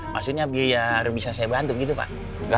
maksudnya biaya harus bisa saya bantu gitu pak